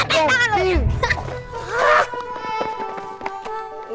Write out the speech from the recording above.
lepet tangan lu